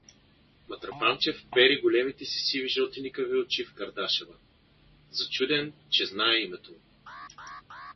Матрапанчев впери големите си сиви жълтеникави очи в Кардашева, зачуден, че знае името му.